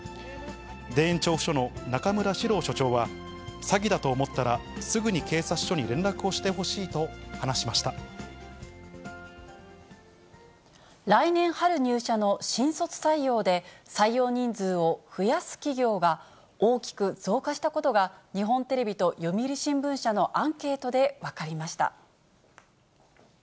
田園調布署の中村史郎署長は、詐欺だと思ったら、すぐに警察署来年春入社の新卒採用で、採用人数を増やす企業が、大きく増加したことが、日本テレビと読売新聞社のアンケートで分かりました。